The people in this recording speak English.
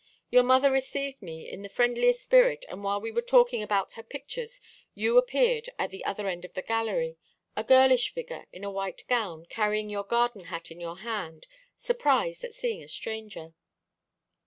Your mother received me in the friendliest spirit; and while we were talking about her pictures you appeared at the other end of the gallery, a girlish figure in a white gown, carrying your garden hat in your hand, surprised at seeing a stranger."